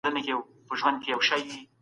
پوهه د ناپوهۍ په پرتله ټولنه ژر بدلوي.